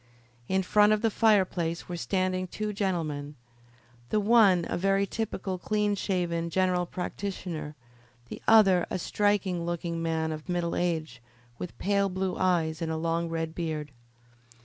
In front of the fireplace were standing two gentlemen, the one a very typical, clean shaven, general practitioner, the other a striking looking man of middle age, with pale blue eyes and a long red beard.